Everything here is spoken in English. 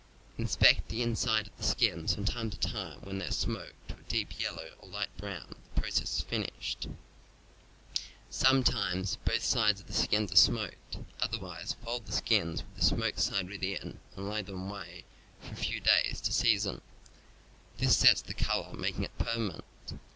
Inspect the inside of the skins from time to time and when they are smoked to a deep yellow or light brown the process is finished; some times both sides of the skins are smoked; otherwise, fold the skins with the smoked side within and lay them away for a few days to season. This sets the color, making it permanent.